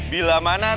bila mana terikat